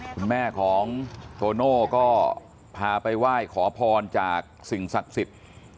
คุณแม่ของโตโน่ก็พาไปไหว้ขอพรจากสิ่งศักดิ์สิทธิ์